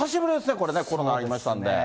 これね、コロナありましたんで。